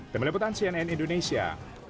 demi leputan cnn indonesia